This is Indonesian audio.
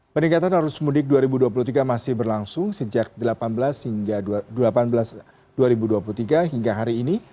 peningkatan arus mudik dua ribu dua puluh tiga masih berlangsung sejak delapan belas hingga delapan belas dua ribu dua puluh tiga hingga hari ini